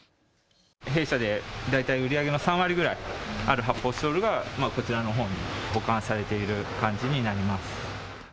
弊社で売り上げの大体３割ぐらいある発泡スチロールがこちらに保管されている感じになります。